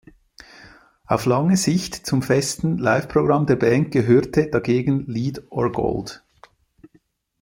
Auf lange Sicht zum festen Live-Programm der Band gehörte dagegen „Lead or Gold“.